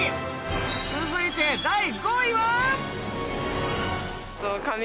続いて第５位は？